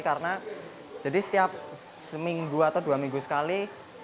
karena jadi setiap seminggu atau dua minggu sekali